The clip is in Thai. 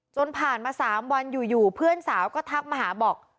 จนผ่านมา๓วันอยู่เพื่อนสาวก็ทักมาหาบอก